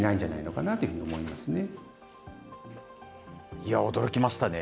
いや、驚きましたね。